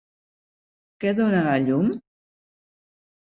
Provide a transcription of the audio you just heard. Què dóna la llum?